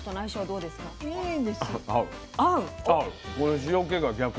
うん。